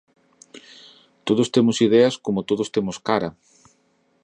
Todos temos ideas coma todos temos cara